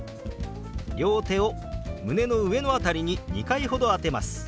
両手を胸の上の辺りに２回ほど当てます。